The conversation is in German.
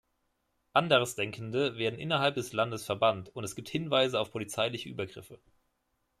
Andersdenkende werden innerhalb des Landes verbannt, und es gibt Hinweise auf polizeiliche Übergriffe.